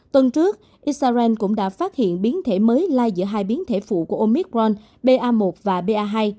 tuần trước israel cũng đã phát hiện biến thể mới lai giữa hai biến thể phụ của omicron ba một và ba